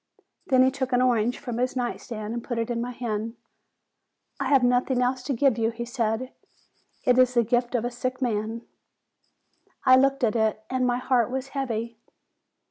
Then he took an orange from his night stand, and put it in my hand. "I have nothing else to give you," he said ; "it is the gift of a sick man." I looked at it, and my heart was heavy.